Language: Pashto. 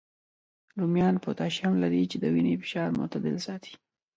رومیان پوتاشیم لري، چې د وینې فشار معتدل ساتي